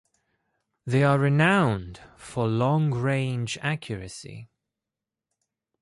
They are renowned for long-range accuracy.